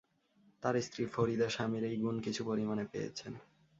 তাঁর স্ত্রী ফরিদা স্বামীর এই গুণ কিছু পরিমাণে পেয়েছেন।